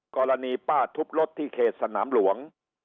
ป้าทุบรถที่เขตสนามหลวง